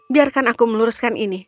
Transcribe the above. biarkan aku meluruskan ini